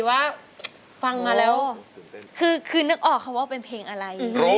ว่าฟังกันแล้วคือคือนึกออกเป็นเพลงอะไร